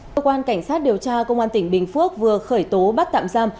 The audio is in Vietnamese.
cơ quan cảnh sát điều tra công an tỉnh bình phước vừa khởi tố bắt tạm giam